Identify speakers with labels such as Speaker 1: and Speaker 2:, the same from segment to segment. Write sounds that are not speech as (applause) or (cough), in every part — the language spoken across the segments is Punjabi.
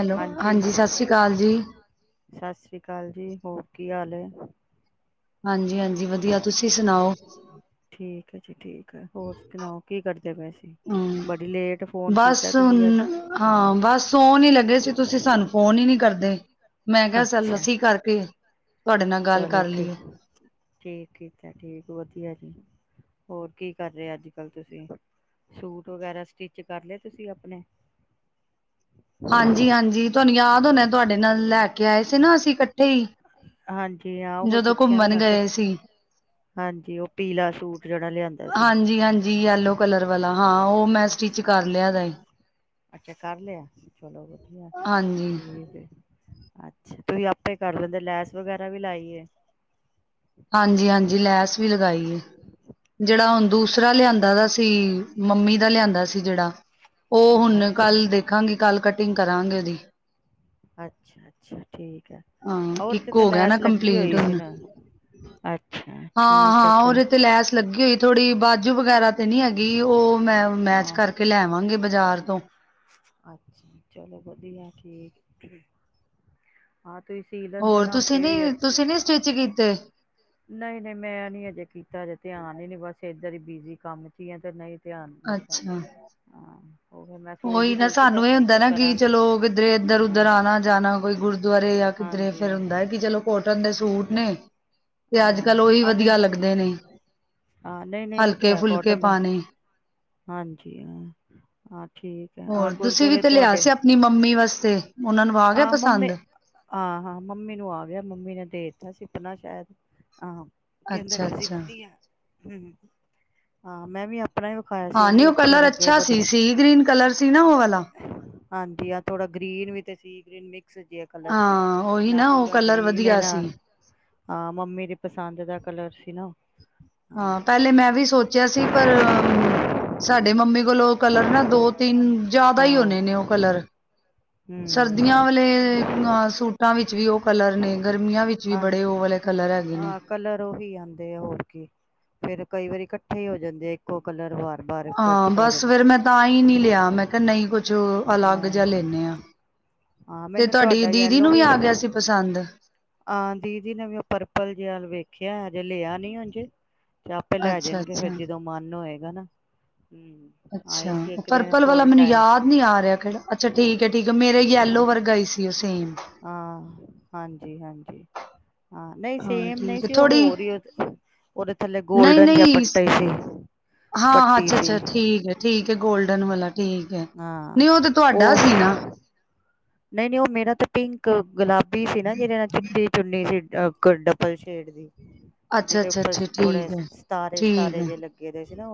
Speaker 1: ਹੈਲੋ! ਹਾਂਜੀ, ਸਤਿ ਸ਼੍ਰੀ ਅਕਾਲ ਜੀ।
Speaker 2: ਸਤਿ ਸ੍ਰੀ ਅਕਾਲ ਜੀ ਹੋਰ ਕਿ ਹਾਲ ਹੈ?
Speaker 1: ਹਾਂਜੀ ਹਾਂਜੀ -ਹਾਂਜੀ ਵਧੀਆ। ਤੁਸੀਂ ਸੁਣਾਓ?
Speaker 2: ਠੀਕ ਜੀ ਠੀਕ ਹੈ ਹੋਰ ਸੁਣਾਓ ਕੀ ਕਰਦੇ ਪਏ ਸੀ
Speaker 1: ਹਮ
Speaker 2: ਬੜੀ ਲੇਟ ਫੋਨ
Speaker 1: ਬਸ
Speaker 2: ਕੀਤਾ ਤੁਸੀਂ ਅੱਜ
Speaker 1: ਹੁਣ ਹਾਂ ਬਸ ਸੋ ਨੀ ਲੱਗੇ ਸੀ ਤੁਸੀਂ ਸਾਨੂੰ ਫੋਨ ਹੀ ਨਹੀਂੀ ਕਰਦੇ ਮੈਂ ਕਿਹਾ
Speaker 2: ਅੱਛਾ
Speaker 1: ਅੱਸੀ ਕਰਕੇ ਤੁਹਾਡੇ ਨਾਲ ਗੱਲ
Speaker 2: ਚਲੋ
Speaker 1: ਕਰ
Speaker 2: ਠੀਕ
Speaker 1: ਲਈਏ
Speaker 2: ਠੀਕ ਕੀਤਾ, ਠੀਕ ਵਧੀਆ ਜੀ ਹੋਰ ਕੀ ਕਰ ਰਹੇ ਅੱਜ ਕੱਲ ਤੁਸੀਂ? ਸੂਟ ਵਗੈਰਾ ਸਟਿਚ ਕਰ ਲਏ ਤੁਸੀਂ ਆਪਣੇ?
Speaker 1: ਹਾਂਜੀ -ਹਾਂਜੀ ਤੁਹਾਨੂੰ ਯਾਦ ਹੋਣਾ ਤੁਹਾਡੇ ਨਾਲ ਲੈ ਕੇ ਆਏ ਸੀ ਨਾ ਅਸੀਂ। ਇਕੱਠੇ
Speaker 2: ਹਾਂਜੀ ਹਾਂ ਉਹੀ
Speaker 1: ਜਦੋਂ
Speaker 2: ਪੁੱਛਿਆ ਨਾ
Speaker 1: ਘੁੰਮਣ
Speaker 2: ਮੈਂ ਕਿਹਾ।
Speaker 1: ਗਏ ਸੀ।
Speaker 2: ਹਾਂਜੀ ਉਹ ਪੀਲਾ ਸੂਟ ਜਿਹੜਾ ਲਿਆਂਦਾ ਸੀ
Speaker 1: ਹਾਂਜੀ -ਹਾਂਜੀ, ਯੇਲੋ ਕਲਰ ਵਾਲਾ। ਹਾਂ ਉਹ ਮੈਂ ਸਟਿਚ
Speaker 2: ਅੱਛਾ
Speaker 1: ਕਰ ਲਿਆ ਹੈਗਾ ਏ।
Speaker 2: ਅੱਛਾ! ਕਰ ਲਿਆ, ਚਲੋ।
Speaker 1: ਹਾਂਜੀ
Speaker 2: ਠੀਕ ਐ (unintelligible) ਤੁਸੀਂ ਆਪੇ ਕਰ ਲਿੰਦੇ ਲੈਸ ਵਗੈਰਾ ਵੀ ਲਾਈ ਹੈ
Speaker 1: ਹਾਂਜੀ ਹਾਂਜੀ ਲੈਸ ਵੀ ਲਗਾਈ ਐ, ਜਿਹੜਾ ਹੁਣ ਦੂਸਰਾ ਲਿਆਂਦਾ ਦਾ ਸੀ ਮੰਮੀ ਦਾ ਲਿਆਂਦਾ ਸੀ ਜਿਹੜਾ ਔ ਹੁਣ
Speaker 2: ਅੱਛਾ,
Speaker 1: ਕੱਲ ਦੇਖਾਂਗੀ ਕੱਲ ਕਟਿੰਗ ਕਰਾਂਗੇ ਦੀ
Speaker 2: ਅੱਛਾ ਅੱਛਾ ਠੀਕ ਹੈ
Speaker 1: ਹਾਂ
Speaker 2: ਔਰ ਤੇ
Speaker 1: ਇੱਕ
Speaker 2: ਤਾਂ
Speaker 1: ਹੋ ਗਿਆ ਨਾ
Speaker 2: ਲੈਸ ਲੱਗੀ
Speaker 1: ਕੰਪਲੀਟ
Speaker 2: ਹੋਈ ਸੀ
Speaker 1: ਹੁਣ
Speaker 2: ਨਾ। ਅੱਛਾ
Speaker 1: ਹਾਂ
Speaker 2: ਠੀਕ ਐ
Speaker 1: ਹਾਂ ਉਹਦੇ ਤੇ
Speaker 2: ਚਲੋ।
Speaker 1: ਲੈਸ ਲੱਗੀ ਹੋਈ ਥੋੜ੍ਹੀ ਬਾਜੂ ਵਗੈਰਾ ਤੇ ਨੀ ਹੈਗੀ ਉਹ ਮੈਂ ਮੈਚ
Speaker 2: ਹਾਂ
Speaker 1: ਕਰਕੇ ਲੈ ਆਂਵਾਂਗੀ ਬਾਜ਼ਾਰ (inaudible)
Speaker 2: ਅੱਛਾ ਚਲੋ ਵਧੀਆ ਠੀਕ ਤੁਸੀਂ ਸੀ ਲੈਂਦੇ ਆ
Speaker 1: ਹੋਰ
Speaker 2: ਨਾ
Speaker 1: ਤੁਸੀਂ
Speaker 2: ਆਪੇ ਏ ਵੀ
Speaker 1: ਨੀ
Speaker 2: ਅੱਛਾ,
Speaker 1: ਤੁਸੀਂ ਨੀ ਸਟਿਚ ਕੀਤੇ
Speaker 2: ਨਹੀਂ ਨਹੀਂ ਮੈਂ ਨੀ ਅਜੇ ਕੀਤਾ ਅਜੇ ਧਿਆਨ ਹੀ ਨੀ ਬਸ ਜਾਰੀ ਬਿਜੀ ਕੰਮ ਚ ਹੀ ਹੈ, ਤੇ ਨਹੀਂ ਧਿਆਨ ਲੱਗਾ, ਹਾਂ ਉਹ ਫਿਰ ਮੈਂ ਸੋਚਦੀ
Speaker 1: ਔਹੀ ਨਾ
Speaker 2: ਪਈ ਸੀ
Speaker 1: ਸਾਨੂੰ ਇਹ ਹੁੰਦਾ
Speaker 2: ਇੱਕ
Speaker 1: ਨਾ ਕਿ
Speaker 2: ਕਰਾਂਗੇ
Speaker 1: ਚਲੋ ਕਿੱਧਰੇ ਇੱਧਰ
Speaker 2: ਹਾਂ।
Speaker 1: ਉਧਰ ਆਉਣਾ ਜਾਣਾ ਕੋਈ ਗੁਰਦੁਆਰੇ ਜਾਂ ਕਿੱਧਰੇ
Speaker 2: ਹਾਂਜੀ
Speaker 1: ਫਿਰ ਹੁੰਦਾ ਹੈ ਕਿ ਚਲੋ ਕੋਟਨ ਦੇ ਸੂਟ ਨੇ, ਤੇ
Speaker 2: ਹਾਂ
Speaker 1: ਅੱਜ ਕੱਲ੍ਹ ਉਹੀ
Speaker 2: ਆ ਨਹੀਂ
Speaker 1: ਵਧੀਆ ਲੱਗਦੇ ਨੇ
Speaker 2: ਹਾਂ ਨਹੀਂ ਨਹੀਂ ਉਹ ਤੇ
Speaker 1: ਹਲਕੇ
Speaker 2: ਹੈ
Speaker 1: ਫੁਲਕੇ
Speaker 2: ਕੋਟਨ ਦਾ
Speaker 1: ਪਾਣੇ।
Speaker 2: ਹਾਂਜੀ ਹਾਂ ਠੀਕ ਹੈ ਆਹ
Speaker 1: ਹੋਰ ਤੁਸੀਂ ਵੀ
Speaker 2: ਗੁਰਦੁਆਰੇ
Speaker 1: ਤੇ ਲਿਆ ਸੀ, ਆਪਣੀ ਮੰਮੀ ਵਾਸਤੇ। ਉਹਨਾਂ ਨੂੰ ਆ ਗਿਆ
Speaker 2: ਹਾਂ ਮੰਮੀ,
Speaker 1: ਪਸੰਦ
Speaker 2: ਆਹ ਹਾਂ, ਮੰਮੀ ਨੂੰ ਆ ਗਿਆ ਮੰਮੀ ਨੇ ਦੇ ਦਿੱਤਾ ਸੀ ਆਪਣਾ ਸ਼ਾਇਦ ਹਾ, ਕਹਿੰਦੇ
Speaker 1: ਅੱਛਾ
Speaker 2: ਪਏ ਸੀੇ
Speaker 1: ਅੱਛਾ
Speaker 2: ਵਧੀਆ ਹੂ, ਹਾਂ ਮੈਂ ਵੀ ਅਪ
Speaker 1: ਹਾਂ ਨੀ ਉਹ ਕਲਰ ਅੱਛਾ ਸੀ, ਸੀ ਗ੍ਰੀਨ ਕਲਰ ਸੀ ਨਾ ਔ ਵਾਲਾ
Speaker 2: ਹਾਂਜੀ ਆ ਥੋੜਾ ਗ੍ਰਰੀਨ ਵੀ ਤੇ ਸੀ ਗ੍ਰੀਨ ਮ ਮਿਕਸ ਜਿਹਾ ਕਲਰ ਸੀ
Speaker 1: ਹਾਂ ਉਹੀ
Speaker 2: ਨਾ
Speaker 1: ਉਹ
Speaker 2: ਪੂਰਾ
Speaker 1: ਕਲਰ
Speaker 2: ਗ੍ਰੀਨ ਹੈ
Speaker 1: ਵਧੀਆ
Speaker 2: ਨਾ
Speaker 1: ਸੀ
Speaker 2: ਹਾਂ ਮੰਮੀ ਦੀ ਪਸੰਦ ਦਾ ਕਲਰ ਸੀ ਨਾ ਔ।
Speaker 1: ਹਾਂ ਪਹਿਲੇ ਮੈਂ ਵੀ ਸੋਚਿਆ ਸੀ, ਪਰ ਸਾਡੇ ਮੰਮੀ ਕੋਲੋਂ ਕਲਰ ਨਾ ਦੋ ਤਿੰਨ, ਜ਼ਿਆਦਾ ਹੀ ਹੋਣੇ ਨੇ ਉਹ
Speaker 2: ਹਾਂ
Speaker 1: ਕਲਰ। ਸਰਦੀਆਂ
Speaker 2: ਹਮ
Speaker 1: ਵਾਲੇ ਅਹ ਸੂਟਾਂ ਵਿੱਚ ਵੀ ਉਹ ਕਲਰ ਨੇ, ਗਰਮੀਆਂ ਵਿੱਚ ਵੀ ਬੜੇ ਉਹ
Speaker 2: ਹਾਂਜੀ
Speaker 1: ਵਾਲੇ ਕਲਰ ਹੈਗੇ ਨੇ।
Speaker 2: ਹਾਂ ਕਲਰ ਉਹੀ ਆਂਦੇ ਆ ਹੋਰ ਕੀ ਫੇਰ ਕਈ ਵਾਰੀ ਇਕੱਠੇ ਹੋ ਜਾਂਦੇ ਐ, ਇੱਕੋ ਕਲਰ ਬਾਰ।
Speaker 1: ਹਾਂ ਬਸ ਫੇਰ ਮੈਂ ਤਾਂ ਹੀ ਨਹੀਂ ਲਿਆ, ਮੈਂ ਕਿਹਾ ਨਹੀਂ ਕੁਛ ਅਲੱਗ ਜਾ
Speaker 2: ਹਾਂ
Speaker 1: ਲੈਂਨੇ ਆਂ,
Speaker 2: ਹਾਂ
Speaker 1: ਤੇ
Speaker 2: ਮੈਨੂੰ
Speaker 1: ਤੁਹਾਡੀ
Speaker 2: ਤੁਹਾਡਾ
Speaker 1: ਦੀਦੀ
Speaker 2: ਯੈਲੋ
Speaker 1: ਨੂੰ ਵੀ ਆ ਗਿਆ ਸੀ ਪਸੰਦ।
Speaker 2: ਹਾਂ ਦੀਦੀ ਨੇ ਵੀ ਉਹ ਪਰਪਲ ਜਿਹਾ ਵੇਖਿਆ ਜੇ ਲਿਆ ਨੀ ਹਜੇ ਜਾਂ ਆਪੇ ਲੈ
Speaker 1: ਅੱਛਾ
Speaker 2: ਜਾਣਗੇ
Speaker 1: ਅੱਛਾ
Speaker 2: ਫਿਰ ਜਦੋਂ ਮਨ ਹੋਏ ਗਾ ਨਾ ਆਏ
Speaker 1: ਅੱਛਾ
Speaker 2: ਸੀ ਇੱਕ ਦਿਨ
Speaker 1: ਪਰਪਲ ਵਾਲਾ
Speaker 2: ਥੋੜੇ
Speaker 1: ਮੈਨੂੰ
Speaker 2: ਟਾਈਮ
Speaker 1: ਯਾਦ ਨਹੀਂ ਆ ਰਿਹਾ ਅੱਛਾ ਠੀਕ ਹੈ ਠੀਕ ਹੈ ਮੇਰੇ ਯੈਲੋ ਵਰਗਾਈ ਸੀ ਉਹ ਸੇਮ
Speaker 2: ਹਾਂ ਹਾਂਜੀ ਜੀ ਹਾਂਜੀ ਹਾਂ ਨਹੀਂ
Speaker 1: ਹਾਂ
Speaker 2: ਸੇਮ ਨਹੀਂ
Speaker 1: ਠੀਕ ਹੈ
Speaker 2: ਸੀ ਉਹ
Speaker 1: ਥੋੜ੍ਹੀ
Speaker 2: ਹੋਰ ਹੀ ਉਹਦੇ ਥੱਲੇ
Speaker 1: ਨਹੀਂ
Speaker 2: ਗੋਲਡਨ ਜਾਂ
Speaker 1: ਨਹੀਂ
Speaker 2: ਪੱਟਾ ਸੀ ਪੱਟੀ ਸੀ
Speaker 1: ਡਨ ਵਾਲਾ ਠੀਕ ਹੈ
Speaker 2: ਹਾਂ
Speaker 1: ਨਹੀਂ ਉਹ ਤੇ ਤੁਹਾਡਾ
Speaker 2: ਉਹ
Speaker 1: ਸੀ ਨਾ
Speaker 2: ਨਹੀਂ ਨਹੀਂ ਉਹ ਮੇਰਾ ਤਾਂ ਪਿੰਕ ਗੁਲਾਬ ਬੀ ਸੀ ਨਾ ਜਿਹਦੇ ਨਾਲ ਚਿੱਟੀ ਚੁੰਨੀ ਸੀ ਗਢ (unintelligible) ਦੀ
Speaker 1: ਅੱਛਾ
Speaker 2: ਜਿਹਦੇ
Speaker 1: ਅੱਛਾ
Speaker 2: ਉੱਪਰ
Speaker 1: ਅੱਛਾ
Speaker 2: ਥੋੜੇ
Speaker 1: ਠੀਕ ਹੈ
Speaker 2: ਸਿਤਾਰੇ
Speaker 1: ਠੀਕ
Speaker 2: ਸਿਤਾਰੇ
Speaker 1: ਹੈ
Speaker 2: ਜੇ ਲੱਗੇ ਪਏ ਸੀ ਨਾ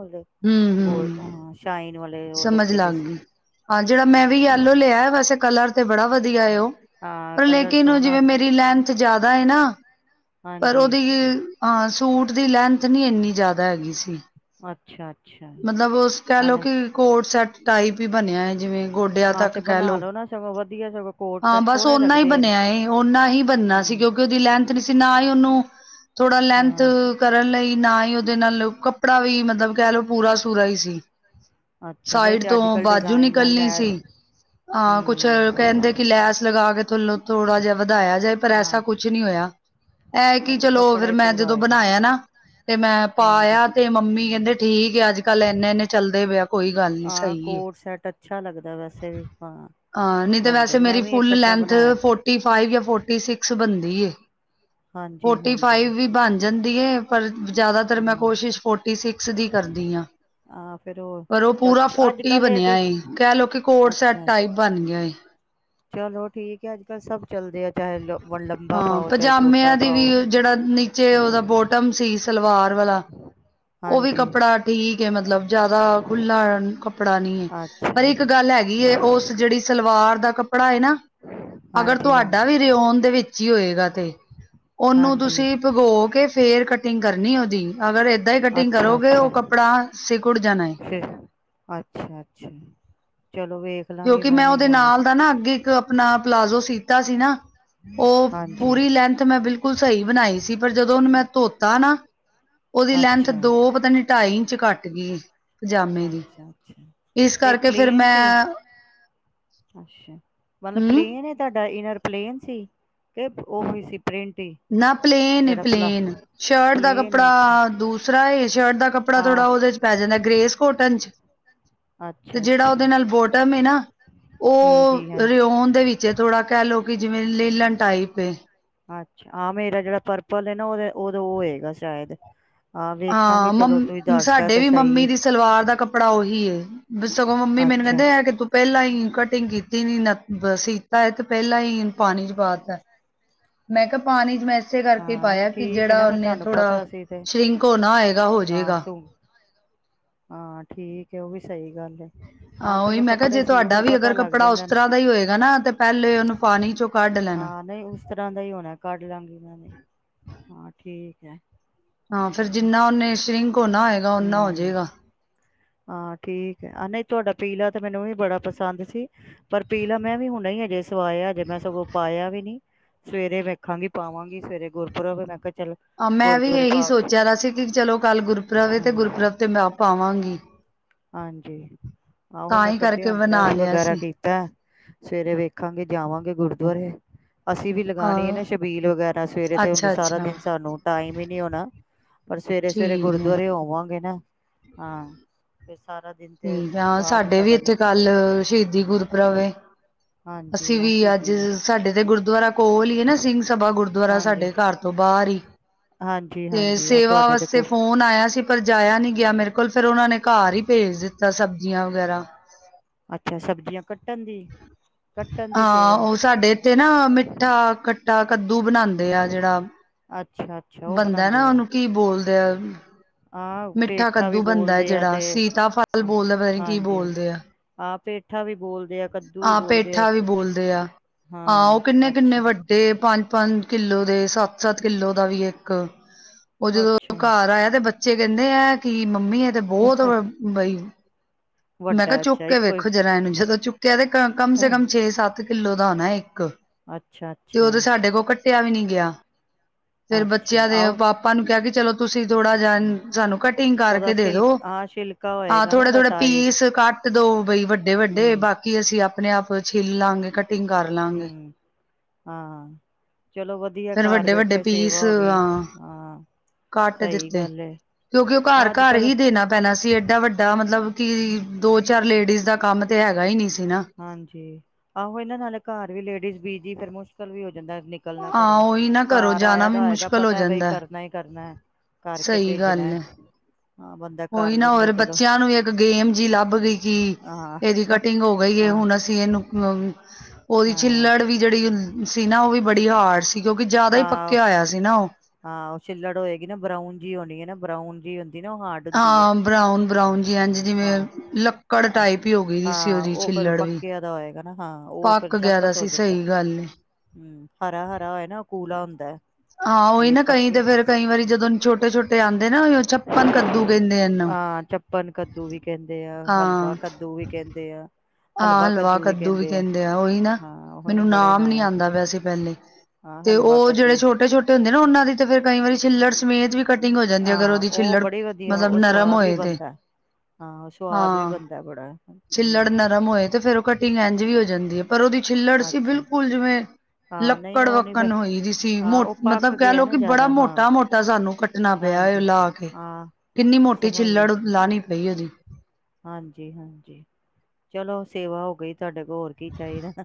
Speaker 1: ਹੂੰ
Speaker 2: ਗੋਲ
Speaker 1: ਹੂੰ
Speaker 2: ਸ਼ਾਈਨ ਵਾਲੇ ਉਹ
Speaker 1: ਸਮਝ
Speaker 2: ਲੱਗੇ ਦੇ
Speaker 1: ਲੱਗ
Speaker 2: ਸੀ
Speaker 1: ਗਈ ਹਾਂ ਜਿਹੜਾ ਮੈਂ ਵੀ ਯੇਲੋ ਲਿਆ ਵੈਸੇ ਕਲਰ ਤੇ ਬੜਾ ਵਧੀਆ ਹੈ ਉਹ
Speaker 2: ਹਾਂ
Speaker 1: ਪਰ
Speaker 2: ਕਲਰ
Speaker 1: ਲੇਕਿਨ ਉਹ
Speaker 2: ਸੋਹਣਾ
Speaker 1: ਜਿਵੇਂ ਮੇਰੀ ਲੈਂਥ ਜ਼ਿਆਦਾ ਏ ਨਾ ਪਰ
Speaker 2: ਹਾਂਜੀ
Speaker 1: ਉਹਦੀ ਹਾਂ ਸੂਟ ਦੀ ਲੈਂਥ ਨੀ ਇੰਨੀ ਜ਼ਿਆਦਾ ਹੈਗੀ ਸੀ
Speaker 2: ਅੱਛਾ ਅੱਛਾ
Speaker 1: ਮਤਲਬ ਉਸ ਕਹਿ ਲੋਓ
Speaker 2: ਆਨੇ
Speaker 1: ਕਿ ਕੋਡ ਸੈਟ ਟਾਈਪ ਹੀ ਬਣਿਆ ਹੈ ਜਿਵੇਂ ਗੋਡਿਆਂ
Speaker 2: ਹਾਂ ਤੇ
Speaker 1: ਤੱਕ ਕਹਿ
Speaker 2: ਬਣਾ
Speaker 1: ਲਓ
Speaker 2: ਨਾ ਸਗੋਂ ਵਧੀਆ ਸਗੋਂ ਕੋਟ
Speaker 1: ਹਾਂ
Speaker 2: ਸੈਟ
Speaker 1: ਬਸ
Speaker 2: ਸੋਹਣੇ
Speaker 1: ਓਨਾ ਹੀ
Speaker 2: ਲੱਗਦੇ ਆ
Speaker 1: ਬਣਿਆ ਓਨਾ ਹੀ ਬਣਨਾ ਸੀ
Speaker 2: ਹੂੰ
Speaker 1: ਕਿਉਂਕਿ ਉਹਦੀ ਲੈਂਥ ਨਹੀਂ ਸੀ ਨਾ ਹੀ ਉਹਨੂੰ ਥੋੜਾ ਲੈਂਥ
Speaker 2: ਹਾਂ
Speaker 1: ਕਰਨ ਲਈ ਨਾ ਹੀ ਦੇ ਨਾਲ ਕੱਪੜਾ ਵੀ ਮਤਲਬ ਕਹਿ ਲੋਓ ਪੂਰਾ ਸੂਰਾ ਹੀ ਸੀ
Speaker 2: ਅੱਛਾ ਨਹੀਂ
Speaker 1: ਸਾਈਡ
Speaker 2: ਤੇ ਅੱਜ
Speaker 1: ਤੋਂ
Speaker 2: ਕੱਲ੍ਹ
Speaker 1: ਬਾਜੂ
Speaker 2: ਡਿਜ਼ਾਇਨ
Speaker 1: ਨਿਕਲਣੀ
Speaker 2: ਲੈਸ
Speaker 1: ਸੀ ਹਾਂ ਕੁਛ
Speaker 2: ਹੂੰ
Speaker 1: ਕਹਿੰਦੇ ਕਿ ਲੈਸ ਲਗਾ ਕੇ ਥਾਨੂੰ ਥੋੜ੍ਹਾ ਜਿਹਾ ਵਧਾਇਆ ਜਾਏ ਪਰ ਐਸਾ
Speaker 2: ਹਾਂ
Speaker 1: ਕੁਛ ਨਹੀਂ ਹੋਇਆ ਇਹ ਕਿ
Speaker 2: ਅੱਛਾ
Speaker 1: ਚਲੋ
Speaker 2: ਕੱਪੜਾ
Speaker 1: ਫਿਰ
Speaker 2: ਹੀ
Speaker 1: ਮੈਂ
Speaker 2: ਪੂਰਾ
Speaker 1: ਜਦੋਂ
Speaker 2: ਹੋਏਗਾ
Speaker 1: ਬਣਾਇਆ ਨਾ ਤੇ ਮੈਂ
Speaker 2: ਹਾਂਜੀ
Speaker 1: ਪਾਇਆ ਤੇ ਮੰਮੀ ਕਹਿੰਦੇ ਠੀਕ ਕਿ ਅੱਜ ਕੱਲ ਇੰਨੇ ਇੰਨੇ ਚੱਲਦੇ ਪਏ ਯਾਂ ਕੋਈ ਗੱਲ ਨੀ
Speaker 2: ਆਹ
Speaker 1: ਸਹੀ ਏ
Speaker 2: ਕੋਡ ਸੈਟ ਅੱਛਾ ਲੱਗਦਾ ਵੈਸੇ ਵੀ ਹਾਂ
Speaker 1: ਨਹੀਂ ਤਾਂ
Speaker 2: ਬੰਦੇ
Speaker 1: ਵੈਸੇ
Speaker 2: ਮੈਂ
Speaker 1: ਮੇਰੀ
Speaker 2: ਵੀ ਇੱਕ
Speaker 1: ਫੁੱਲ
Speaker 2: ਅੱਧਾ
Speaker 1: ਲੈਂਥ
Speaker 2: ਬਣਾਇਆ
Speaker 1: ਫੋਰਟੀ ਫਾਈਵ ਜਾਂ ਫੋਰਟੀ ਸਿਕਸ ਬਣਦੀ ਏ
Speaker 2: ਹਾਂਜੀ
Speaker 1: ਫੋਰਟੀ
Speaker 2: ਹਾਂਜੀ
Speaker 1: ਫਾਈਵ ਵੀ ਬਣ ਜਾਂਦੀ ਹੈ ਪਰ ਜ਼ਿਆਦਾਤਰ ਮੈਂ
Speaker 2: ਹਮ
Speaker 1: ਕੋਸ਼ਿਸ਼ ਫੋਰਟੀ ਸਿਕਸ ਸਧ (unintelligible) ਕਰਦੀ ਆਂ
Speaker 2: ਆਹ ਫੇਰ
Speaker 1: ਪਰ ਉਹ ਪੂਰਾ
Speaker 2: ਅੱਛ ਅੱਜ
Speaker 1: ਫੋਟੀ
Speaker 2: ਕੱਲ ਇਹ ਕਿ
Speaker 1: ਬਣਿਆ ਏ ਕਹਿ ਲੋਓ ਕਿ ਕੋਡ ਸੈਟ
Speaker 2: ਅੱਛਾ
Speaker 1: ਟਾਈਪ ਬਣ ਗਿਆ ਏ
Speaker 2: ਚਲੋ ਠੀਕ ਹੈ ਅੱਜ ਕੱਲ ਸਭ ਚੱਲਦੇ ਆ ਚਾਹੇ ਲੰਬਾ
Speaker 1: ਹਾਂ
Speaker 2: ਪਾਓ ਚਾਹੇ ਛੋਟਾ
Speaker 1: ਪਜਾਮਿਆਂ ਦੀ ਵੀ,
Speaker 2: ਪਾਓ
Speaker 1: ਜਿਹੜਾ ਨੀਚੇ ਉਹਦਾ ਬੋਟਮ ਸੀ, ਸਲਵਾਰ ਵਾਲਾ ਉਹ ਵੀ
Speaker 2: ਹਾਂਜੀ
Speaker 1: ਕੱਪੜਾ ਠੀਕ ਏ ਮਤ ਲਬ ਜਿਆਦਾ ਖੁਲਾ ਕਪ ਪੜਾ ਨੀ।
Speaker 2: ਅੱਛਾ
Speaker 1: ਪਰ ਇੱਕ ਗੱਲ ਹੈਗੀ ਏ, ਓਸ ਜਿਹੜੀ ਸਲਵਾਰ ਦਾ ਕੱਪੜਾ ਏ ਨਾ ਅਗਰ
Speaker 2: ਹਾਂਜੀ
Speaker 1: ਤੁਆਡਾ
Speaker 2: ਹਾਂਜੀ
Speaker 1: ਵੀ ਰੇਓਨ ਦੇ ਵਿੱ- ਚ ਈ ਹੋਏਗਾ ਤੇ। ਉਹਨੂੰ
Speaker 2: ਹਾਂਜੀ
Speaker 1: ਤੁਸੀਂ ਭਿਗੋ ਕੇ ਫੇਰ ਕਟਿੰਗ ਕਰਨੀ ਉਹਦੀ, ਅਗਰ ਏਦਾ ਈ ਕਟਿੰਗ
Speaker 2: ਅੱਛਾ
Speaker 1: ਕਰੋਗੇ,
Speaker 2: ਅੱਛਾ
Speaker 1: ਓਹ ਕੱਪੜਾ ਸਿਕੁੜ ਜਾਣਾ ਏ।
Speaker 2: ਫਿਰ ਅੱਛਾ ਅੱਛਾ। ਚਲੋ ਵੇਖ ਲਾਂਗੀ
Speaker 1: ਕਿਉਂਕਿ ਮੈਂ
Speaker 2: ਵੀ
Speaker 1: ਉਹਦੇ
Speaker 2: ਹਾਂ
Speaker 1: ਨਾਲ ਦਾ ਨਾ ਅੱਗੇ ਇੱਕ ਆਪਣਾ ਪਲਾਜ਼ੋ ਸੀਤਾ ਸੀ ਨਾ ਉਹ
Speaker 2: ਹਾਂਜੀ
Speaker 1: ਪੂਰੀ ਲੈਂਥ, ਮੈਂ ਬਿਲ ਕਲ ਸਹੀ ਬਣਾਈ ਸ ਸੀ ਪਰ ਜਦੋਂ ਉਹਨੂੰ ਮੈਂ ਧੋਤ ਤਾ ਨਾ ਉਹਦੀ ਲੈਂਥ
Speaker 2: ਅੱਛਾ
Speaker 1: ਦੋ, ਪਤਾ ਨੀ ਢਾਈ ਇੰ ਚ ਘੱਟ ਗੀ। ਪਜਾਮੇ ਦੀ।
Speaker 2: ਅੱਛਾ-ਅੱਛਾ
Speaker 1: ਇਸ
Speaker 2: ਤੇ
Speaker 1: ਕਰਕੇ ਫਿਰ
Speaker 2: ਪਲੇਨ
Speaker 1: ਮੈਂ
Speaker 2: ਸੀ ਅੱਛਾ, ਮਤਲਬ
Speaker 1: ਹਮ
Speaker 2: ਪਲੇਨ ਐ ਤਾਡਾ ਏਨਾਂ ਰ ਪਲੇਨ ਸੀ? ਕਿ ਓਹੀ ਸੀ ਪ੍ਰਿੰਟ ਈ
Speaker 1: ਨਾ ਪਲੇਨ ਏ
Speaker 2: ਜਿਹੜਾ ਪਲਾ
Speaker 1: ਪਲੇਨ। ਸ਼ਰਟ ਦਾ
Speaker 2: ਪਲੇਨ
Speaker 1: ਕੱਪੜਾ
Speaker 2: ਏ ਅੱਛਾ
Speaker 1: ਅ ਦੂਸਰਾ ਏ, ਸ਼ਰਟ ਦਾ ਕੱਪੜਾ
Speaker 2: ਆਹ
Speaker 1: ਥੋੜਾ ਉਹਦੇ ਚ ਪੈ ਜਾਂਦਾ ਐ ਗ੍ਰੇਸ ਕੋਟਨ ਚ। ਤੇ ਜਿਹੜਾ
Speaker 2: ਅੱਛਾ-ਅੱਛਾ
Speaker 1: ਉਹਦੇ ਨਾਲ ਬੋਟਮ ਏ ਨਾ,
Speaker 2: ਹਾਂਜੀ
Speaker 1: ਉਹ
Speaker 2: ਹਾਂਜੀ
Speaker 1: ਰਿਓਨ ਦੇ ਵਿੱਚ ਜੇ ਥੋੜਾ ਕਹਿ ਲੋ ਕਿ ਜਿਵੇਂ ਲੇਲਣ ਟਾਈਪ ਏ।
Speaker 2: ਅੱਛਾ, ਹਾ ਮੇਰਾ ਜਿਹੜਾ ਪਰਪਲ ਏ ਨਾ ਉਹਦੇ ਉਹਦਾ ਓ ਹੋਏਗਾ ਸ਼ਾਇਦ। ਵੇਖਾਂਗੇ
Speaker 1: ਹਾਂ
Speaker 2: ਚਲੋ ਤੁਸੀਂ
Speaker 1: ਮੰਮ ਅ
Speaker 2: ਦੱਸਤਾ
Speaker 1: ਸਾਡੇ
Speaker 2: ਤੇ
Speaker 1: ਵੀ
Speaker 2: ਸਹੀ
Speaker 1: ਮੰਮੀ
Speaker 2: ਏ
Speaker 1: ਦੀ ਸਲਵਾਰ ਦਾ ਕੱਪੜਾ ਉਹੀ ਏ। ਸਗੋਂ ਮੰਮੀ ਮੈਨੂੰ
Speaker 2: ਅੱਛਾ
Speaker 1: ਕਹਿੰਦੇ ਏ, ਕਿ ਤੂੰ ਪਹਿਲਾਂ ਈ ਕਟਿੰਗ ਕੀਤੀ ਨੀ ਨਾ ਬ ਸੀਤਾ ਐ ਤੇ ਪਹਿਲਾਂ ਈ ਪਾਣੀ ਚ ਪਾਤਾ ਏ ਮੈਂ ਕਿਆ ਪਾਣੀ ਚ ਮੈਂ ਏਸੇ ਕਰਕੇ
Speaker 2: ਹਾਂ ਨਹੀਂ
Speaker 1: ਪਾਇਆ ਕਿ
Speaker 2: ਠੀਕ ਏ
Speaker 1: ਜਿਹੜਾ
Speaker 2: ਨਾ ਫਿਰ
Speaker 1: ਉਹਨੇ
Speaker 2: ਤੁਹਾਨੂੰ
Speaker 1: ਥੋੜਾ
Speaker 2: ਪਤਾ ਸੀ ਤੇ
Speaker 1: ਸ਼ਰਿੰਕ ਹੋਨਾ ਹੋਏਗਾ
Speaker 2: ਹਾਂ
Speaker 1: ਹੋਜੇਗਾ।
Speaker 2: ਸੁ ਹਾਂ। ਠੀਕ ਐ ਉਹ ਵੀ ਸਹੀ ਗੱਲ ਏ
Speaker 1: ਹਾਂ ਉਹੀ
Speaker 2: ਚਲੋ
Speaker 1: ਮੈਂ ਕਿਆ
Speaker 2: ਕੱਪੜੇ
Speaker 1: ਜੇ
Speaker 2: ਸੀਓ
Speaker 1: ਤੁਆਡਾ
Speaker 2: ਫਿਰ
Speaker 1: ਵੀ
Speaker 2: ਪਤਾ
Speaker 1: ਅਗਰ
Speaker 2: ਲੱਗ
Speaker 1: ਕੱਪੜਾ ਉਸ
Speaker 2: ਜਾਂਦਾ
Speaker 1: ਤਰ੍ਹਾਂ ਦਾ ਈ ਹੋਏਗਾ ਨਾ, ਤੇ ਪਹਿਲੇ ਉਹਨੂੰ ਪਾਣੀ ਚੋਂ ਕੱਢ ਲੈਣਾ।
Speaker 2: ਹਾਂ ਨਹੀਂ ਉਸ ਤਰ੍ਹਾਂ ਦਾ ਹੀ ਹੋਣਾ ਕੱਢ ਲਾਂਗੇ। ਹਾਂ, ਠੀਕ। (unintelligible)
Speaker 1: ਹਾਂ, ਫੇਰ
Speaker 2: ਚਲੋ
Speaker 1: ਜਿੰਨਾ ਓਹਨੇ ਸ੍ਰਿੰਕ ਹੋਣਾ ਹੋਏਗਾ ਓਨਾ ਹੋ,
Speaker 2: ਹੂੰ
Speaker 1: ਜਾਏਗਾ।
Speaker 2: ਹਾਂ ਠੀਕ ਹੈ, ਆਹ ਨਹੀਂ ਤੁਹਾਡਾ ਪੀਲਾ ਤਾਂ, ਮੈਨੂੰ ਹੀ ਬੜਾ ਪਸੰਦ ਸੀ। ਪਰ ਪੀਲਾ ਮੈਂ ਵੀ ਹੁਣ ਹੀ ਹਜੇ ਸਵਾਇਆ, ਹਜੇ ਮੈਂ ਸਗੋਂ ਪਾਇਆ ਵੀ ਨੀ ਸਵੇਰੇ ਵੇਖਾਂਗੀ, ਪਾਵਾਂਗੀ ਸਵੇਰੇ 'ਗੁਰਪੁਰਬ' ਮੈਂ ਕਿਹਾ ਚੱਲ
Speaker 1: ਮੈਂ ਵੀ,
Speaker 2: ਗੁਰਦੁਆਰੇ
Speaker 1: ਇਹੀ
Speaker 2: ਪਾ ਕੇ
Speaker 1: ਸੋਚਿਆ ਰਿਹਾ ਸੀ, ਕਿ ਚਲੋ, ਕੱਲ ਗੁਰਪ੍ਰਬ ਤੇ,
Speaker 2: ਹੂੰ
Speaker 1: ਗੁਰਪ੍ਰਬ ਤੇ ਮੈਂ, ਪਾਵਾਂਗੀ।
Speaker 2: ਹਾਂਜੀ। ਆਹੋ
Speaker 1: ਤਾਂ
Speaker 2: ਮੈਂ
Speaker 1: ਹੀ
Speaker 2: ਕੱਢਿਆ
Speaker 1: ਕਰਕੇ
Speaker 2: ਹੁਣ,
Speaker 1: ਬਣਾ
Speaker 2: ਪ੍ਰੈਸ
Speaker 1: ਲਿਆ
Speaker 2: ਵਗੈਰਾ
Speaker 1: ਸੀ
Speaker 2: ਕੀਤਾ ਸਵੇਰੇ ਵੇਖਾਂਗੇ ਜਾਵਾਂਗੇ ਗੁਰਦੂਆਰੇ ਅਸੀਂ ਵੀ ਲਗਾਣੀ ਹੈ
Speaker 1: ਹਾਂ
Speaker 2: ਨਾ, ਸ਼ਬੀਲ ਵਗੈਰਾ ਸਵੇਰੇ ਤੇ, ਹਦੀ
Speaker 1: ਅੱਛਾ
Speaker 2: ਸਾਰਾ
Speaker 1: ਅੱਛਾ
Speaker 2: ਦਿਨ ਸਾਨੂੰ ਟਾਈਮ ਹੀ ਨੀ ਹੋਣਾ। ਪਰ ਸਵੇਰੇ-ਸਵੇਰੇ
Speaker 1: ਠੀਕ ਹੈ
Speaker 2: ਗੁਰਦੁਆਰੇ ਹੋ ਆਵਾਂਗੇ ਨਾ ਹਾਂ। (unintelligible) ਤੇ
Speaker 1: ਠੀਕ ਆ
Speaker 2: ਬਾਹਰ ਹੀ
Speaker 1: ਸਾਡੇ ਵੀ,
Speaker 2: ਸਾਡਾ
Speaker 1: ਇੱਥੇ
Speaker 2: ਨਿਕਲ
Speaker 1: ਕੱਲ ''ਸ਼ਹੀਦੀ ਗੁਰਪੁਰਬ' ਏ।
Speaker 2: ਹਾਂਜੀ
Speaker 1: ਅਸੀਂ
Speaker 2: ਹਾਂ
Speaker 1: ਵੀ ਅੱਜ
Speaker 2: ਸ਼ਹੀਦੀ
Speaker 1: ਸਾਡੇ ਤੇ, ਗੁਰਦੁਆਰਾ ਕੋਲ ਹੀ ਹੈ ਨਾ, ਸਿੰਘ ਸਭਾ ਗੁਰਦੁਆਰਾ
Speaker 2: ਹਾਂਜੀ।
Speaker 1: ਸਾਡੇ ਘਰ ਤੋਂ, ਬਾਹਰ ਹੀ ਤੇ,
Speaker 2: ਹਾਂਜੀ-ਹਾਂਜੀ ਆ
Speaker 1: ਸੇਵਾ
Speaker 2: ਤੁਹਾਡੇ ਤੇ
Speaker 1: ਵਾਸਤੇ
Speaker 2: ਕੋ
Speaker 1: ਫੋਨ ਆਇਆ। ਸੀ ਪਰ ਜਾਇਆ ਨੀ ਗਿਆ, ਮੇਰੇ ਕੋਲ ਫੇਰ ਉਹਨਾਂ ਨੇ ਘਰ ਹੀ ਭੇਜ ਦਿੱਤਾ, ਸਬਜ਼ੀਆਂ ਵਗੈਰਾ
Speaker 2: ਅੱਛਾ, ਸਬਜ਼ੀਆਂ। ਕੱਟਣ ਦੀ ਕੱਟਣ ਦੀ
Speaker 1: ਹਾਂ,
Speaker 2: ਸੇਵਾ
Speaker 1: ਉਹ ਸਾਡੇ ਇੱਥੇ ਨਾ ਮਿੱਠਾ- ਖੱਟਾ ਕੱਦੂ ਬਣਾਂਦੇ ਆ, ਜਿਹੜਾ
Speaker 2: ਅੱਛਾ-ਅੱਛਾ ਉਹ
Speaker 1: ਬਨਦਾ ਨਾ,
Speaker 2: ਬਣਾਉਂਦੇ ਆ।
Speaker 1: ਉਹਨੂੰ ਕੀ ਬੋਲਦੇ ਆ
Speaker 2: ਆਹ
Speaker 1: ਮਿੱਠਾ
Speaker 2: ਪੇਠਾ ਵੀ
Speaker 1: ਕੱਦੂ ਬਣਦਾ ਹੈ,
Speaker 2: ਬੋਲਦੇ ਆ
Speaker 1: ਜਿਹੜਾ
Speaker 2: ਤੇ
Speaker 1: ਸੀਤਾਫਲ ਬੋਲਦਾ ਪਤਾ ਨੀ ਕੀ, ਬੋਲਦੇ ਆ
Speaker 2: ੱਠ ਵੀ (unintelligible) ਕੱਦੂ ਵੀ
Speaker 1: ਹਾਂ,
Speaker 2: ਬੋਲਦੇ ਆ
Speaker 1: ਪੇਠਾ ਵੀ
Speaker 2: ਅੱਛ-
Speaker 1: ਬੋਲਦੇ ਆ, ਹਾਂ। ਉਹ ਕਿੰਨੇ- ਕਿੰਨੇ ਵੱਡੇ ਪੰਜ ਪੰਜ-ਕਿੱਲੋ ਦੇ, ਸੱਤ-ਸੱਤ ਕਿੱਲੋ ਦਾ, ਵੀ ਇੱਕ ਉਹ ਜਦੋਂ,
Speaker 2: ਅੱਛਾ
Speaker 1: ਘਰ ਆਇਆ ਤੇ ਬੱਚੇ 'ਬੱਚੇ ਕਹਿੰਦੇ ਆ, ਕਿ ਮੰਮੀ ਤੇ, ਬਹੁਤ ਬਈ ਮੈਂ ਕਿਹਾ,
Speaker 2: ਵੱਡਾ
Speaker 1: ਚੁੱਕ
Speaker 2: ਅੱਛਾ
Speaker 1: ਕੇ
Speaker 2: ਇੱਕੋ ਹੀ
Speaker 1: ਵੇਖੋ ਜਰਾ ਇਹਨੂੰ, ਜਦੋਂ ਚੁੱਕਿਆ ਤੇ, ਕਮ ਸੇ ਕਮ ਛੇ-ਸੱਤ ਕਿੱਲੋ ਦਾ ਹੋਣਾ ਇੱਕ
Speaker 2: ਅੱਛਾ
Speaker 1: ਤੇ, ਉਹ
Speaker 2: ਅੱਛਾ
Speaker 1: ਤਾਂ ਸਾਡੇ ਕੋਲ ਕ ਤੇਆ ਵੀ, ਨਹੀਂ ਗਿਆ ਫੇਰ
Speaker 2: ਅੱਛਾ
Speaker 1: ਬੱਚਿਆਂ ਦੇ,
Speaker 2: ਆਹੋ
Speaker 1: ਪਾਪਾ ਨੂੰ ਕਿਹਾ ਕੇ ਚਲੋ ਤੁਸੀਂ ਥੋੜਾ ਜਾਣ ਸਾਨੂੰ ਕਟਿੰਗ
Speaker 2: ਉਹਹਦਾ
Speaker 1: ਕਰਕੇ ਦੇ ਦੋ
Speaker 2: ਸ਼ਿਲਕਾ ਹਾਂ ਛਿਲਕਾ
Speaker 1: ਹਾਂ
Speaker 2: ਹੋਏਗਾ ਨਾ
Speaker 1: ਥੋੜੇ
Speaker 2: ਉਹਦਾ
Speaker 1: ਥੋੜੇ
Speaker 2: ਟ
Speaker 1: ਪੀਸ ਕੱਟ ਦੋ ਬਈ ਵੱਡੇ ਵੱਡੇ
Speaker 2: ਹੂੰ
Speaker 1: ਬਾਕੀ ਅਸੀਂ ਆਪ ਆਪਣੇ ਆਪ ਛਿੱਲ ਲਾਂਗੇ ਟਿੰ ਕਰ ਲਾਂਗੇ
Speaker 2: ਹੂੰ ਹਾਂ ਚਲੋ ਵਧੀਆ
Speaker 1: ਫਿਰ
Speaker 2: ਘਰ
Speaker 1: ਵੱਡੇ ਵੱਡੇ
Speaker 2: ਬੈਠੇ
Speaker 1: ਪੀਸ
Speaker 2: ਸੇਵਾ ਹੋ ਗਈ
Speaker 1: ਅ
Speaker 2: ਹਾਂ
Speaker 1: ਕੱਟ
Speaker 2: ਸਹੀ
Speaker 1: ਦਿੱਤੇ
Speaker 2: ਗੱਲ ਹੈ
Speaker 1: ਕਿਉਂਕਿ ਉਹ ਘਰ
Speaker 2: ਅੱਜ
Speaker 1: ਘਰ
Speaker 2: ਕੱਲ
Speaker 1: ਹੀ ਦੇਣਾ ਪੈਣਾ ਸੀ ਏਡਾ ਵੱਡਾ ਦਾ ਮਤਲਬ ਕਿ ਦੋ ਚਾਰ ਲੇਡੀਜ਼ ਦਾ ਕੰਮ ਤੇ ਹੈਗਾ ਹੀ ਨਹੀਂ ਸੀ ਨਾ
Speaker 2: ਹਾਂਜੀ ਆਹੋ ਇਹਨਾਂ ਨਾਲ ਘਰ ਵੀ ਲੇਡੀਜ਼ ਬੀਜੀਮ ਮੁਸ਼ਕਿਲ ਵੀ ਜਾਂਦਾ ਨਿਕਲਣਾ
Speaker 1: ਹਾਂ
Speaker 2: ਘਰੋਂ
Speaker 1: ਉਹੀ ਨਾ ਘਰੋਂ
Speaker 2: ਘਰ
Speaker 1: ਜਾਣਾ
Speaker 2: ਆਇਆ
Speaker 1: ਵੀ
Speaker 2: ਤਾਂ ਹੋਏਗਾ
Speaker 1: ਮੁਸ਼ਕਿਲ ਹੋ
Speaker 2: ਪਤਾ ਬਾਈ
Speaker 1: ਜਾਂਦਾ
Speaker 2: ਕਰਨਾ ਹੀ ਕਰਨਾ ਕਰਕੇ ਭੇਜਣਾ ਹਾਂ ਬੰਦਾ ਕਰ
Speaker 1: ਉਈ ਨਾ
Speaker 2: ਲੈਂਦਾ
Speaker 1: ਹੋਰ
Speaker 2: ਚਲੋ
Speaker 1: ਬੱਚਿਆਂ ਨੂੰ ਇੱਕ ਗੇਮ ਜਿਹੀ ਲੱਭ ਗਈ ਕਿ
Speaker 2: ਹਾਂ
Speaker 1: ਇਹਦੀ
Speaker 2: ਹਾਂ
Speaker 1: ਕਟਿੰਗ ਹੋ ਗਈ
Speaker 2: ਹਾਂ
Speaker 1: ਹੁਣ ਅਸੀਂ ਇਹਨੂੰ ਵਵੂ ਔਦੀ ਛਿੱਲੜ ਵੀ ਜੇੜੀ ਹੁੰਦੀ ਦੀ ਨਾ ਔਵੀ ਬੜੀ ਹਾਰਡ ਸੀ ਕਿਓਂਕਿ ਜੈਦਾ ਈ
Speaker 2: ਆਹ
Speaker 1: ਪੱਕਿਆ ਹੋਇਆ ਸੀ ਨਾ ਓਹ।
Speaker 2: ਹਾਂ ਉਹ ਛਿੱਲੜ ਹੋਏਗੀ ਨਾ ਬਰਾਊਨ ਜੀ ਹੋਣੀ ਏ ਨਾ ਬਰਾਊਨ ਜੀ ਹੁੰ
Speaker 1: ਹਾਂ, ਬਰਾਉਨ ਬਰਾਊਨ ਜੀ ਹਂਜੀ ਜਿਵੇਂ
Speaker 2: ਹਾਂ
Speaker 1: ਲੱਕੜ
Speaker 2: ਹਾਂ
Speaker 1: ਟਾਈਪ ਈ ਹੋ ਗੀ ਦੀਸੀ ਔਦੀ ਛਿੱਲੜ ਵੀ।
Speaker 2: ਹਨਾ ਹਾਂ, ਔ ਫਿਰ
Speaker 1: ਪੱਕ ਗਿਆ ਦਾ
Speaker 2: ਜ਼ਖ਼ਤ ਹੋ
Speaker 1: ਸੀ
Speaker 2: ਜਾਂਦੈ।
Speaker 1: ਸਹੀ ਗੱਲ ਏ
Speaker 2: ਹੂੰ, ਹਰਾ ਹਰਾ ਹੋਏ ਨਾ ਕੂਲਾ ਹੁੰਦਾ ਹੈ।
Speaker 1: ਹਾਂ, ਓਈ
Speaker 2: ਇਹ
Speaker 1: ਨਾ ਕਈ ਤੇ
Speaker 2: ਪੱਕੇ
Speaker 1: ਫਿਰ ਕਈ ਵਾਰੀ ਜਦੋਂ ਛੋਟੇ ਛੋਟੇ ਆੰਦੇ ਨਾ ਉਹ ਛੱਪਨ ਕੱਦੂ ਕਹਿੰਦੇ ਇਹਨੂੰ।
Speaker 2: ਆਂ, ਚੱਪਣ ਕੱਦੂ ਵੀ ਕੈੰਦੇ ਆ
Speaker 1: ਹਾਂ,
Speaker 2: ਹਲਵਾ ਕੱਦੂ ਵੀ ਕੈੰਦੇ ਆ।
Speaker 1: ਹਾਂ, ਹਲਵਾ ਕੱਦੂ ਵੀ ਕੈੰਦੇ ਆ ਓਹੀ ਨਾ
Speaker 2: ਹਾਂ ਉਹੀ ਨਾ
Speaker 1: ਮੈਨੂੰ
Speaker 2: ਬੜੇ
Speaker 1: ਨਾਮ
Speaker 2: ਨਾਂ
Speaker 1: ਨੀ
Speaker 2: ਹੈ
Speaker 1: ਆੰਦਾ ਪੈ ਸੀ ਪੈਲੇ।
Speaker 2: ਹਾਂ
Speaker 1: ਤੇ
Speaker 2: ਹਲਵਾ
Speaker 1: ਔ ਜੇੜੇ
Speaker 2: ਕੱਦੂ
Speaker 1: ਛੋਟੇ ਛੋਟੇ ਹੁੰਦੇ ਨਾ ਓਨਾਂ ਦੀ ਤੇ ਫਿਰ ਕਈ ਵਾਰ ਛਿੱਲੜ ਸਮੇਤ ਵੀ ਕਟਿੰਗ ਹੋ ਜਾਂਦੀ ਅਗਰ
Speaker 2: ਆਹ,
Speaker 1: ਉਹਦੀ
Speaker 2: ਔ
Speaker 1: ਛਿੱਲੜ
Speaker 2: ਬੜੀ ਵਧੀਐ
Speaker 1: ਮਤਲਬ
Speaker 2: ਔ
Speaker 1: ਨਰਮ
Speaker 2: ਸਵਾਦ ਵੀ
Speaker 1: ਹੋਏ ਤੇ
Speaker 2: ਬੰਦਾ। ਹਾਂ, ਸਵਾਦ ਵੀ
Speaker 1: ਹਾਂ।
Speaker 2: ਬੰਦਾ ਬੜਾ, ਹੂੰ
Speaker 1: ਛਿੱਲੜ
Speaker 2: ‌।
Speaker 1: ਨਰਮ ਹੋਏ ਤੇ ਫਿਰ ਔ ਕਟਿੰਗ ਐੰਝ ਵੀ ਹੋ ਜਾਂਦੀ ਏ। ਪਰ ਔਦੀ ਛਿੱਲੜ ਸੀ
Speaker 2: ਅੱਛਾ
Speaker 1: ਬਿਲਕੁਲ ਜਿਵੇਂ
Speaker 2: ਹਾਂ ਨਹੀਂ
Speaker 1: ਲੱਕੜ
Speaker 2: ਉਹ ਨਹੀਂ ਫਿਰ
Speaker 1: ਵੱਕਣ ਹੋਈ ਦੀ ਸੀ
Speaker 2: ਹਾਂ
Speaker 1: ਮੋ
Speaker 2: ਉਹ ਪੱਕ
Speaker 1: ਮਤਲਬ ਕੈ
Speaker 2: ਗਿਆ
Speaker 1: ਲੋ
Speaker 2: ਨਾ
Speaker 1: ਕਿ ਬੜਾ
Speaker 2: ਜ਼ਿਆਦਾ ਹਾਂ
Speaker 1: ਮੋਟਾ ਮੋਟਾ ਸਾਨੂੰ ਕੱਟਣਾ ਪਿਆ ਏ ਓ
Speaker 2: ਹਾਂਜੀ
Speaker 1: ਲਾ ਕੇ
Speaker 2: ਹਾਂ
Speaker 1: ਕਿੰਨੀ ਮੋਟੀ
Speaker 2: ਸਮਝ ਗਈ
Speaker 1: ਛਿੱਲੜ ਲਾਣੀ ਪਈ ਏ ਔਦੀ।
Speaker 2: ਹਾਂਜੀ ਹਾਂਜੀ ਚਲੋ ਸੇਵਾ ਹੋ ਗਈ ਤੁਹਾਡੇ ਕੋਲ ਹੋਰ ਕੀ ਚਾਹੀਦਾ।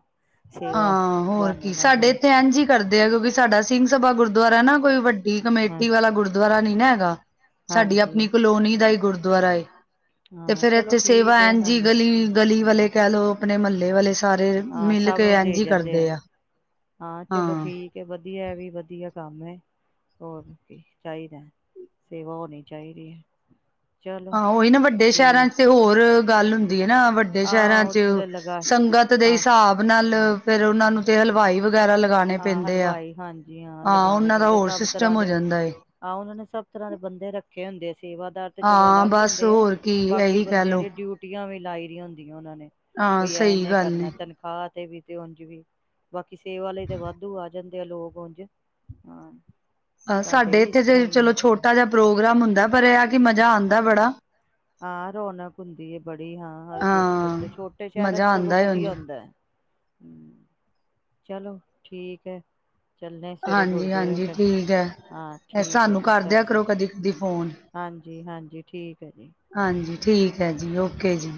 Speaker 2: ਸੇਵਾ
Speaker 1: ਹਾਂ, ਹੋਰ ਕੀ
Speaker 2: ਬਹਾਨੇ ਨਾਲ
Speaker 1: ਸਾਡੇ
Speaker 2: ਹੋ
Speaker 1: ਇੱਥੇ ਐੰਝ ਈ ਕਰਦੇ ਐ, ਕਿਉਂਕਿ ਸਾਡਾ ਸਿੰਘ ਸਭਾ ਗੁਰਦੁਾਰਾ ਨਾ ਕੋਈ ਵੱਡੀ
Speaker 2: ਹਾਂ
Speaker 1: ਕਮੇਟੀ ਵਾਲਾ ਗੁਰਦੁਆਰਾ ਨੀ ਨਾ ਹੈ। ਗਾ। ਸਾਡੀ
Speaker 2: ਹਾਂਜੀ
Speaker 1: ਅਪਣੀ ਕਲੋਨੀ ਦਾ ਈ ਗੁਰਦੁਆਰਾ ਦੁਆਰਾ ਆਏ। ਤੇ
Speaker 2: ਹਾਂ
Speaker 1: ਫੇਰ
Speaker 2: ਚਲੋ
Speaker 1: ਐਥੇ ਸੇਵਾ
Speaker 2: ਠੀਕ ਹੈ
Speaker 1: ਐਂਝ ਈ
Speaker 2: ਹਾਂਜੀ
Speaker 1: ਗਲੀ, ਗਲੀ ਵਾਲੇ ਕੈ ਲੋ ਅਪਣੇ ਮੱਲੇ ਵਾਲੇ ਸਾਰੇ
Speaker 2: ਹਾਂ
Speaker 1: ਮਿਲ
Speaker 2: ਸਭ
Speaker 1: ਕਈ
Speaker 2: ਨੂੰ
Speaker 1: ਐੰਝ
Speaker 2: ਦੇ
Speaker 1: ਈ
Speaker 2: ਜਾਂਦੇ
Speaker 1: ਕਰਦੇ ਆ।
Speaker 2: ਹਾਂ, ਚਲੋ ਠੀਕ ਏ, ਵਧੀਆ ਐਵੀ ਵਧੀਆ। ਕੰਮ ਏ, ਹੋਰ ਕੀ ਚਾਈਦੈ, ਸੇਵਾ ਹੋਣੀ ਚਾਈਦੀ ਏ।
Speaker 1: ਹਾਂ, ਔਈ ਨਾ ਵੱਡੇ ਸੈ਼ਰਾਂ ਚ ਤੇ ਹੋਰ ਗੱਲ ਹੁੰਦੀ ਏ ਨਾ। ਵੱਡੇ ਸੈ਼ਰਾਂ
Speaker 2: ਆਹ
Speaker 1: ਚ
Speaker 2: ਉੱਥੇ ਤਾਂ ਲਗਾ
Speaker 1: ਸੰਗਤ ਦੇ ਹਿਸਾਬ ਨਲ
Speaker 2: ਹਾਂ,
Speaker 1: ਪੈਂਦੇ ਆ
Speaker 2: ਹਲਵਾਈ ਹਾਂਜੀ ਹਾਂ ਲਗਾਣੇ
Speaker 1: ਉਹਨਾਂ ਦਾ
Speaker 2: ਪੈਂਦੇ
Speaker 1: ਹੋਰ
Speaker 2: ਸਭ ਤਰ੍ਹਾਂ
Speaker 1: ਸਿਸਟਮ ਹੋ
Speaker 2: ਦੇ।
Speaker 1: ਜਾਂਦਾ ਏ
Speaker 2: ਆ ਔਨਾਂ ਨੇ ਸਭ ਤਰ੍ਹਾਂ ਦੇ ਬੰਦੇ ਰੱਖੇ ਹੁੰਦੇ ਸੀ। ਸੇਵਾਦਾਰ ਤੇ ਚਲੋ
Speaker 1: ਹਾਂ
Speaker 2: ਅਲੱਗ
Speaker 1: ਬਸ
Speaker 2: ਹੁੰਦੇ ਆ
Speaker 1: ਹੋਰ ਕੀ
Speaker 2: ਬਾਕੀ
Speaker 1: ਇਹੀ ਕਹਿ
Speaker 2: ਬੰਦਿਆਂ
Speaker 1: ਲਓ
Speaker 2: ਦੀ ਡਿਊਟੀਆਂ ਵੀ ਲਾਈ ਰੀ ਹੋੰਦੀ। ਵੀ ਔਨਾਂ ਨੇ,
Speaker 1: ਹਾਂ
Speaker 2: ਵਈ ਐ
Speaker 1: ਸਹੀ
Speaker 2: ਇਨੈ
Speaker 1: ਗੱਲ
Speaker 2: ਕਰਨੈ
Speaker 1: ਨੇ
Speaker 2: ਤਨਖਾਹ ਤੇ ਵੀ ਅਤੇ ਔਂਝ ਵੀ ਬਾਕੀ ਸੇਵਾ ਲਈ ਤੇ ਵਾਧੂ ਆ ਜਾਂਦੇ ਆ ਲੋਕ ਔਂਝ, ਹਾਂ
Speaker 1: ਅ ਸਾਡੇ
Speaker 2: ਵੀ ਇਸ
Speaker 1: ਇੱਥੇ
Speaker 2: ਤਰ੍ਹਾਂ
Speaker 1: ਤੇ
Speaker 2: ਹੀ ਹੈ
Speaker 1: ਚਲੋ ਛੋਟਾ ਜਿਆ ਪ੍ਰੋਗਰਾਮ ਹੁੰਦੈ ਪਰ ਇਹ ਆ ਕਿ ਮ ਜ਼ਾ ਆਂਦੈ ਬੜਾ।
Speaker 2: ਹਾਂ, ਰੌਣਕ ਹੁੰਦੀ ਏ ਬੜੀ, ਹਾਂ ਹਰ ਗੁਰਪੁਰਬ
Speaker 1: ਹਾਂ
Speaker 2: ਤੇ ਛੋਟੇ ਸ਼ਹਿਰਾਂ ਚ
Speaker 1: ਮਜ਼ਾ
Speaker 2: ਸਗੋਂ
Speaker 1: ਆਉਂਦਾ ਹੈ ਉੰਝ
Speaker 2: ਵਧੀਆ ਹੁੰਦੈ। ਹੂੰ। ਚਲੋ, ਠੀਕ ਐ। ਚੱਲਣੇ ਐ ਸਵੇਰੇ
Speaker 1: ਹਾਂਜੀ
Speaker 2: ਗੁਰਦੁਆਰੇ
Speaker 1: ਹਾਂਜੀ
Speaker 2: ਫਿਰ।
Speaker 1: ਠੀਕ
Speaker 2: ਹਾਂ,
Speaker 1: ਹੈ
Speaker 2: ਠੀਕ ਏ
Speaker 1: ਸਾਨੂੰ
Speaker 2: ਜੀ
Speaker 1: ਕਰਦਿਆਂ
Speaker 2: ਸਸ ਸ਼੍ਰੀ।
Speaker 1: ਕਰੋ ਕਦੀ ਕਦੀ ਫੋਨ
Speaker 2: ਹਾਂਜੀ, ਹਾਂਜੀ ਠੀਕ ਐ ਜੀ।
Speaker 1: ਹਾਂਜੀ ਠੀਕ ਐ ਜੀ, ਔਕੇ ਜੀ।